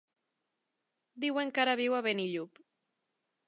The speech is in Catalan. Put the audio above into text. Diuen que ara viu a Benillup.